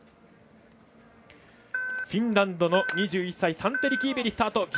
フィンランドの２１歳サンテリ・キーベリスタート。